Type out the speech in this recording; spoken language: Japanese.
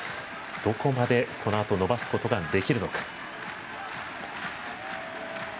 どこまで、このあと伸ばすことができるのか。